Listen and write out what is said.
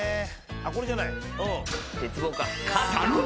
あっこれじゃない？